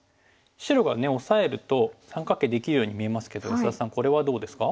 白がねオサえると三角形できるように見えますけど安田さんこれはどうですか？